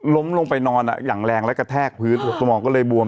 ล้มลงไปนอนอย่างแรงและกระแทกพื้นสมองก็เลยบวม